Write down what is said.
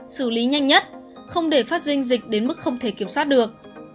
xử lý nhanh nhất không để phát sinh dịch đến mức không thể kiểm soát được